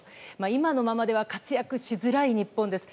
今のままでは活躍しづらい日本です。